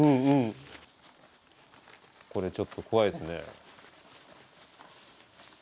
これちょっと怖いですね。